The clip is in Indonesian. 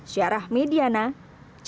syarah mediana jakarta